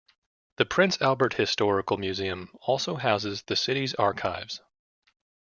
The Prince Albert Historical Museum also houses the city's archives.